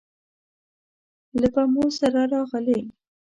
له بمو سره راغلې